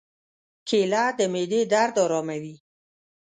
کېله د معدې درد آراموي.